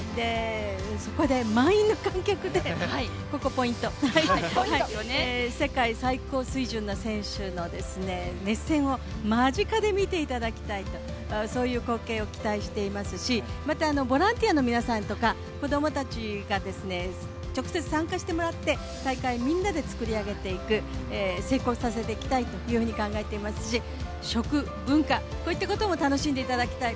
そこで満員の観客で、ここポイント世界最高水準の選手の熱戦を間近で見ていただきたい、そういう光景を期待していますしまたボランティアの皆さんとか子供たちが直接参加してもらって大会みんなで作り上げていく、成功させていきたいと思いますし食、文化、こういったことも楽しんでいただきたい。